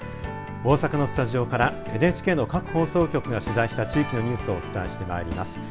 大阪のスタジオからＮＨＫの各放送局が取材した地域のニュースをお伝えしてまいります。